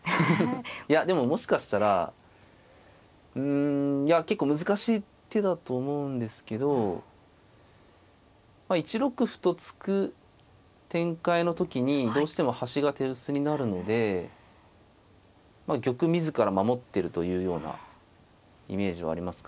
いやでももしかしたらうんいや結構難しい手だと思うんですけど１六歩と突く展開の時にどうしても端が手薄になるので玉自ら守ってるというようなイメージはありますかね。